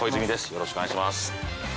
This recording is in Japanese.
よろしくお願いします。